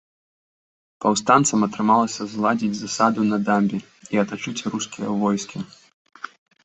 Паўстанцам атрымалася зладзіць засаду на дамбе і атачыць рускія войскі.